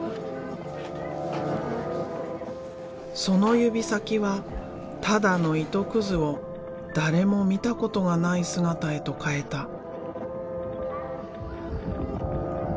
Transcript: その指先はただの糸くずを誰も見たことがない姿へと変えた。